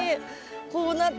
こうなって。